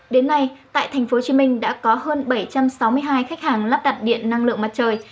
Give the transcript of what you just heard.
đến nay tại tp hcm đã có hơn bảy trăm sáu mươi hai khách hàng lắp đặt điện năng lượng mặt trời